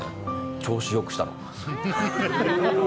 調子よくしたの。